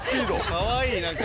かわいい何か。